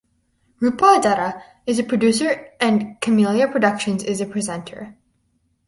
Rupa Dutta is the producer and Camellia Productions is the presenter.